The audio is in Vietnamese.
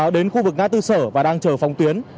đến khu vực nga tư sở và đang chờ phóng tuyến